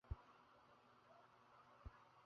যেমন, তুমি এখানে কিভাবে এলে?